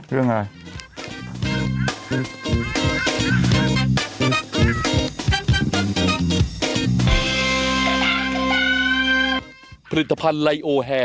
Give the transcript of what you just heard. เรื่องอะไร